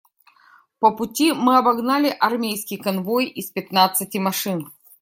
По пути мы обогнали армейский конвой из пятнадцати машин.